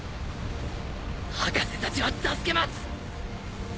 博士たちは助けます！